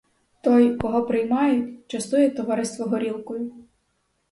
Той, кого приймають, частує товариство горілкою.